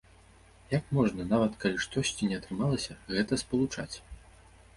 Як можна, нават калі штосьці не атрымалася, гэта спалучаць?